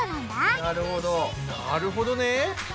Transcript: なるほどね。